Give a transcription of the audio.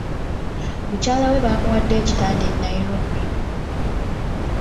Mukyala we bamuwadde ekitanda e Nairobi.